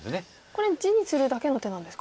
これ地にするだけの手なんですか？